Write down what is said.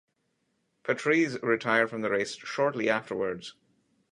Patrese retired from the race shortly afterwards.